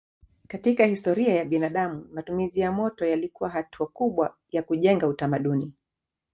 Katika historia ya binadamu matumizi ya moto yalikuwa hatua kubwa ya kujenga utamaduni.